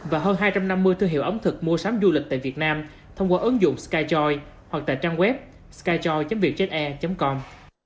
và hơn hai trăm năm mươi thương hiệu ống thực mua sắm du lịch tại việt nam thông qua ứng dụng skyjoy hoặc tại trang web skyjoy vn vn